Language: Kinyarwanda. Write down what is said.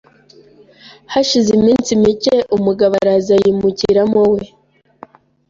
hashize iminsi mike umugabo araza ayimukiramo we